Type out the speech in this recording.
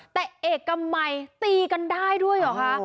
แต่เอกมัยตีกันได้ด้วยเหรอคะ